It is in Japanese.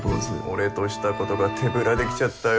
俺としたことが手ぶらで来ちゃったよ